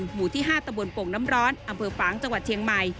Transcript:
หมู่ที่๕ตะบนโป่งน้ำร้อนอำเภอฝางจังหวัดเชียงใหม่